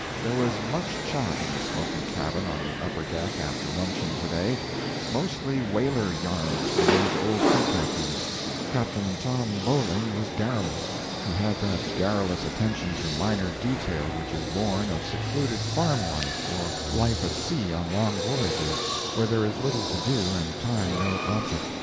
There was much chat in the smoking cabin on the upper deck after luncheon to day, mostly whaler yarns from those old sea captains. Captain Tom Bowling was garrulous. He had that garrulous attention to minor detail which is born of secluded farm life or life at sea on long voyages, where there is little to do and time no object.